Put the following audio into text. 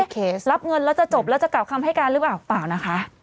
รับเงินแล้วจะจบแล้วจะกลับคำให้การหรือเปล่าเปล่านะคะ